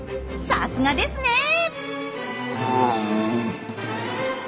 さすがですね！